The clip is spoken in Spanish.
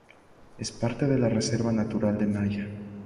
Es parte de la Reserva natural de Malla.